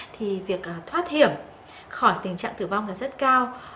thì việc thoát hiểm khỏi tình trạng tử vong là rất cao